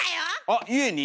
あっ家に？